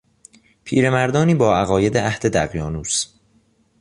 پیرمردانی با عقاید عهد دقیانوس